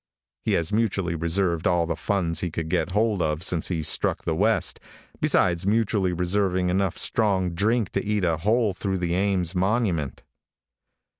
He has mutually reserved all the funds he could get hold of since he struck the west, besides mutually reserving enough strong drink to eat a hole through the Ames monument.